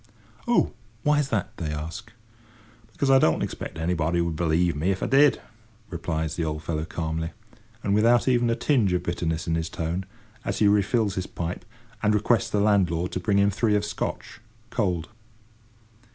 "Oh! why's that?" they ask. "Because I don't expect anybody would believe me if I did," replies the old fellow calmly, and without even a tinge of bitterness in his tone, as he refills his pipe, and requests the landlord to bring him three of Scotch, cold.